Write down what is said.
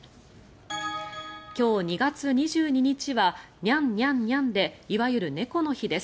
今日２月２２日はニャン・ニャン・ニャンでいわゆる猫の日です。